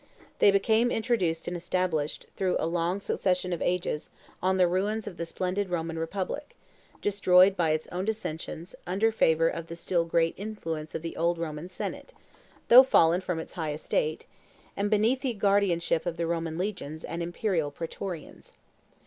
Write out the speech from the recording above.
They became introduced and established, through a long succession of ages, on the ruins of the splendid Roman republic, destroyed by its own dissensions, under favor of the still great influence of the old Roman senate, though fallen from its high estate, and beneath the guardianship of the Roman legions and imperial pretorians.